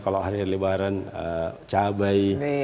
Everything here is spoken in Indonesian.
kalau hari lebaran cabai